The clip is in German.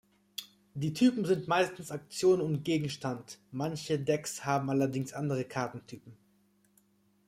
Die Typen sind meistens Aktion und Gegenstand, manche Decks haben allerdings andere Kartentypen.